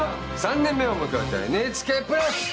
３年目を迎えたＮＨＫプラス！